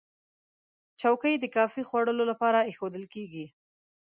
چوکۍ د کافي خوړلو لپاره ایښودل کېږي.